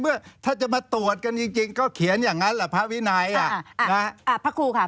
เอาจริงค่ะเพราะว่าท่านศึกษา